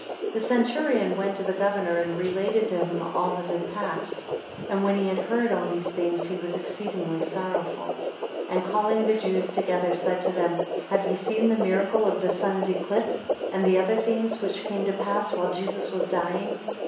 7 The centurion went to the governor, and related to him all that had passed: 8 And when he had heard all these things, he was exceedingly sorrowful; 9 And calling the Jews together, said to them, Have ye seen the miracle of the sun's eclipse, and the other things which came to pass, while Jesus was dying?